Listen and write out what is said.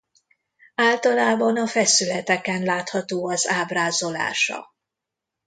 Általában a feszületeken látható az ábrázolása.